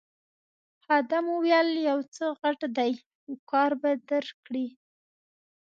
خادم وویل یو څه غټ دی خو کار به درکړي.